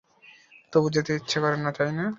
তবু যেতে ইচ্ছে করে না, তাই না?